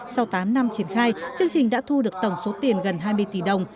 sau tám năm triển khai chương trình đã thu được tổng số tiền gần hai mươi tỷ đồng